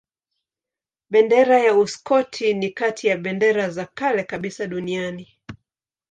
Bendera ya Uskoti ni kati ya bendera za kale kabisa duniani.